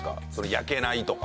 焼けないとか